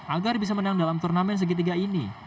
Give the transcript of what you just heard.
agar bisa menang dalam turnamen segitiga ini